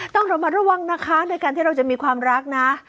ต้องระมัดระวังนะคะในการที่เราจะมีความรักนะ